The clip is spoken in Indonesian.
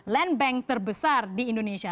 land bank terbesar di indonesia